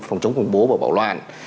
phòng chống khủng bố và bảo loạn